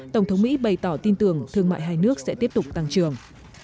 tổng thống mỹ bày tỏ tin tưởng thương mại hai nước sẽ tiếp tục tăng trưởng